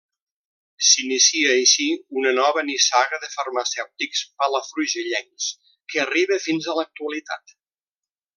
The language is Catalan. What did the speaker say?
S’inicia així una nova nissaga de farmacèutics palafrugellencs que arriba fins a l’actualitat.